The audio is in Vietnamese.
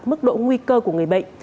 mức độ nguy cơ của người bệnh